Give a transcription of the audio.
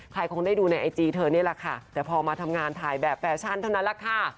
คงได้ดูในไอจีเธอนี่แหละค่ะแต่พอมาทำงานถ่ายแบบแฟชั่นเท่านั้นแหละค่ะ